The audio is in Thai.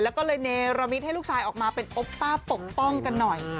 แล้วก็เลยเนรมิตให้ลูกชายออกมาเป็นโอปป้าปกป้องกันหน่อย